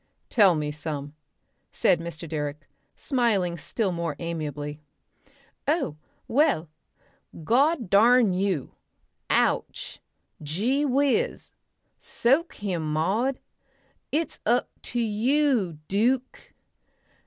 "Tell me some," said Mr. Direck, smiling still more amiably. "Oh! Well God darn you! Ouch, Gee whizz! Soak him, Maud! It's up to you, Duke...."